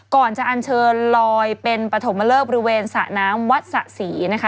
ก่อนจะอันเชิญลอยเป็นปฐมเลิกบริเวณสระน้ำวัดสะศรีนะคะ